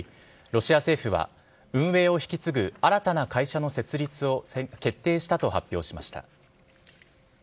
ロシア政府は運営を引き継ぐ新たな会社の設立を決定したと発表しました。